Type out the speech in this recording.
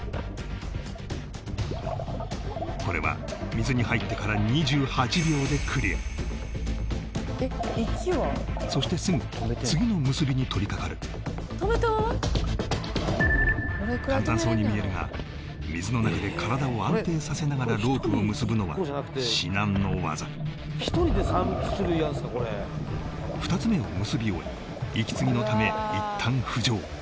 これは水に入ってから２８秒でクリアそしてすぐ次の結びに取り掛かる簡単そうに見えるが水の中で体を安定させながらロープを結ぶのは至難の業２つ目を結び終え息つぎのため一旦浮上